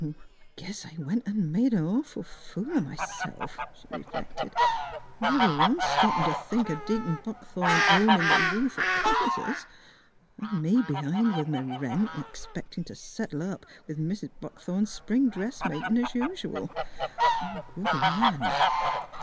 " I guess I went an' made a nawful fool o' m'self," she reflected; "never once stoppin' t' think o' Deacon Buckthorn ownin' th' roof 'at covers us an' me b'hind with m' rent, expectin' t' settle up with Mis' Buckthorn's spring dressmakin', es usual. Good land